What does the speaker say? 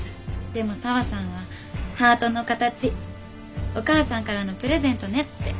でも佐和さんは「ハートの形。お母さんからのプレゼントね」って。